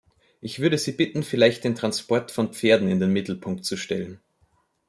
Ich würde Sie bitten, vielleicht den Transport von Pferden in den Mittelpunkt zu stellen.